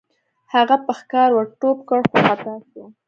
هغه په ښکار ور ټوپ کړ خو خطا شو.